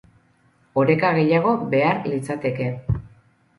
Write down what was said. Oreka gehiago behar litzateke.